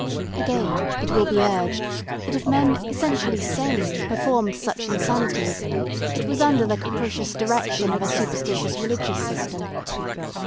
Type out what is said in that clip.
Again, it will be urged that if men essentially sane performed such insanities, it was under the capricious direction of a superstitious religious system.